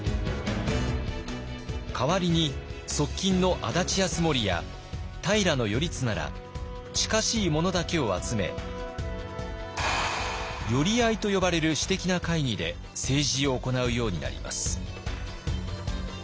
代わりに側近の安達泰盛や平頼綱ら近しい者だけを集め寄合と呼ばれる私的な会議で政治を行うようになります。